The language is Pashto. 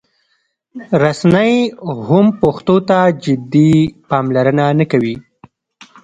رسنۍ هم پښتو ته جدي پاملرنه نه کوي.